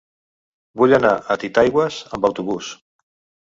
Vull anar a Titaigües amb autobús.